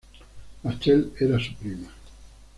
Rachel, era su prima.